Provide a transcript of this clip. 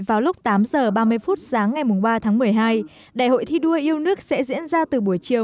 vào lúc tám h ba mươi phút sáng ngày ba tháng một mươi hai đại hội thi đua yêu nước sẽ diễn ra từ buổi chiều